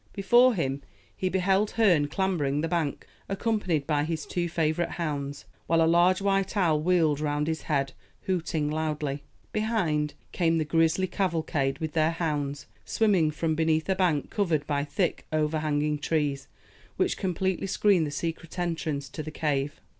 Before him he beheld Herne clambering the bank, accompanied by his two favourite hounds, while a large white owl wheeled round his head, hooting loudly. Behind came the grisly cavalcade, with their hounds, swimming from beneath a bank covered by thick overhanging trees, which completely screened the secret entrance to the cave.